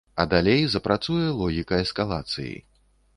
А далей запрацуе логіка эскалацыі.